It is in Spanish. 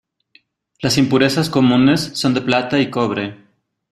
Las impurezas comunes son de plata y cobre.